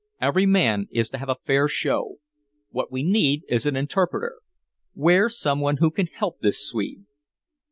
Every man is to have a fair show. What we need is an interpreter. Where's someone who can help this Swede?"